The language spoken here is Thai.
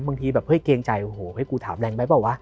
บางทีแบบเฮ้ยเกรงใจโอ้โหเฮ้กูถามแรงไปเปล่าวะ